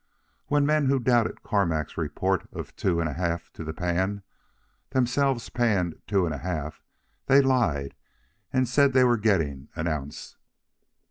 When men who doubted Carmack's report of two and a half to the pan, themselves panned two and a half, they lied and said that they were getting an ounce.